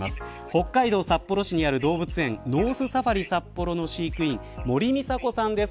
北海道札幌市にある動物園ノースサファリサッポロの飼育員森美沙子さんです。